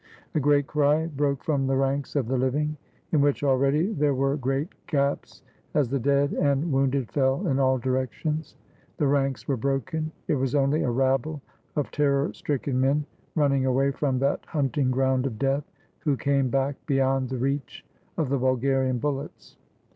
A great cry broke from the ranks of the living, in which already there were great gaps, as the dead and wounded fell in all directions. The ranks were broken. It was only a rabble of terror stricken men, running away from that hunting ground of death, who came back beyond the reach of the Bulgarian bullets.